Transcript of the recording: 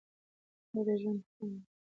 دا د ژوند خوند دی.